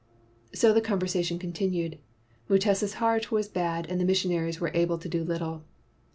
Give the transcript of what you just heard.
So the conversation continued. Mutesa 's heart was bad and the missionaries were able to do little.